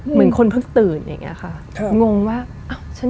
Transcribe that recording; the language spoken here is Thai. หลุดจากตรงนั้นเหรอ